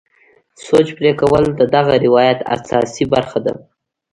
سوچ پرې کول د دغه روایت اساسي برخه ده.